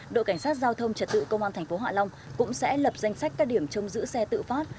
đội cảnh sát giao thông trật tự công an tp hạ long cũng sẽ lập danh sách các điểm trong giữ xe tự phát